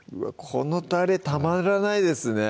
このたれたまらないですね